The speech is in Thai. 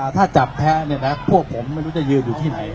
ถ้าจับแพ้เนี่ยนะพวกผมไม่รู้จะยืนอยู่ที่ไหน